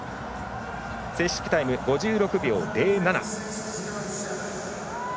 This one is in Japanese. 正式タイム５６秒０７。